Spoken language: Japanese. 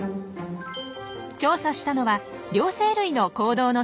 調査したのは両生類の行動の専門家